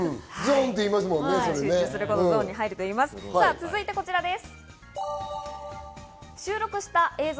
続いてこちらです。